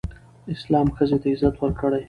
اسلام ښځې ته عزت ورکړی